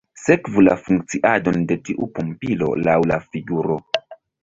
Sekvu la funkciadon de tiu pumpilo laŭ la figuro.